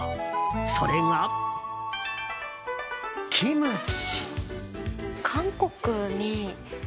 それがキムチ！